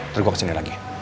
terus gue kesini lagi